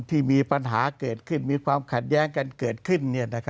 ที่มีปัญหาเกิดขึ้นมีความขัดแย้งกันเกิดขึ้น